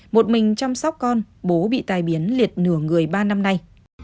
một mình chăm sóc con bố bị tài biến liệt nửa người ba năm nay